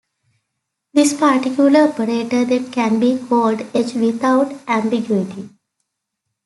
This particular operator then can be called "H" without ambiguity.